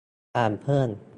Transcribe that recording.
อ่านเพิ่ม